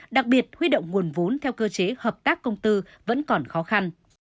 đặc biệt huy động nguồn vốn theo cơ chế hợp tác công tư vẫn còn khó khăn